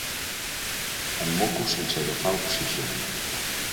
Em moco sense agafar oxigen.